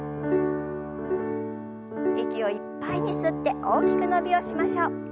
息をいっぱいに吸って大きく伸びをしましょう。